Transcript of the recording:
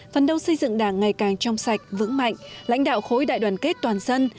phấn đấu xây dựng đảng ngày càng trong sạch vững mạnh lãnh đạo khối đại đoàn kết toàn dân